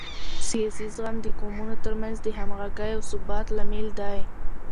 سیاسي زغم د قومونو ترمنځ د همغږۍ او ثبات لامل دی